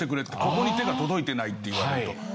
「ここに手が届いてない」って言われると。